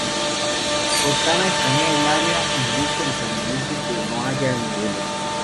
Cortana escanea el área en busca de sobrevivientes, pero no halla a ninguno.